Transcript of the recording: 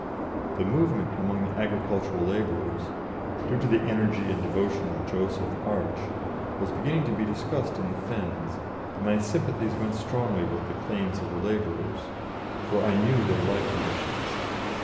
The movement among the agricultural labourers, due to the energy and devotion of Joseph Arch, was beginning to be discussed in the fens, and my sympathies went strongly with the claims of the labourers, for I knew their life conditions.